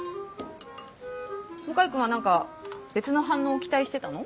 向井君は何か別の反応を期待してたの？